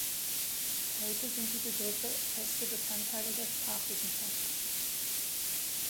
Heute sind die Begriffe feste Bestandteile der Sprachwissenschaft.